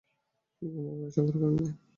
তিনি কোন রানই সংগ্রহ করেননি।